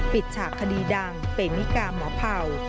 ปิดฉากคดีดังเป็นมิการ์หมอเผ่า